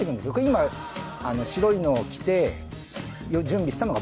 今白いのを着て準備したのが僕なんです。